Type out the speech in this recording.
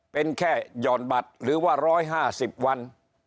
เป็นแค่หย่อนบัตรหรือว่า๑๕๐วัน